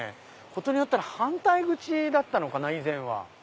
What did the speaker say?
ことによったら反対口だったのかな以前は。